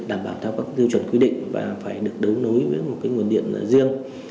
đảm bảo theo các tiêu chuẩn quy định và phải được đấu nối với một nguồn điện riêng